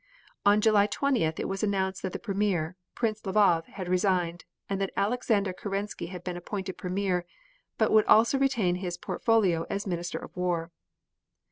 On July 20th, it was announced that the Premier, Prince Lvov, had resigned, and that Alexander Kerensky had been appointed Premier, but would also retain his portfolio as Minister of War.